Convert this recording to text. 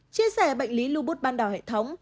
chia sẻ bệnh lý lupus ban đảo hệ thống